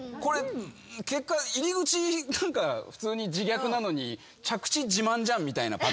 結果入り口普通に自虐なのに着地自慢じゃんみたいなパターン。